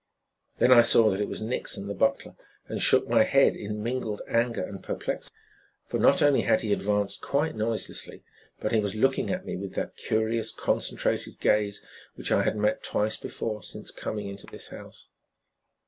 Then I saw that it was Nixon, the butler, and shook my head in mingled anger and perplexity; for not only had he advanced quite noiselessly, but he was looking at me with that curious concentrated gaze which I had met twice before since coming into this house.